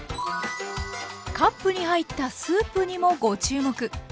カップに入ったスープにもご注目。